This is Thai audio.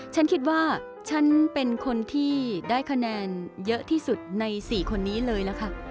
ฉันคิดว่าฉันเป็นคนที่ได้คะแนนเยอะที่สุดใน๔คนนี้เลยล่ะค่ะ